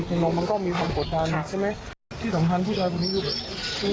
พิกัดมันก็มีความกดทางใช่ไหมที่สำคัญพี่ชายตอนนี้คือ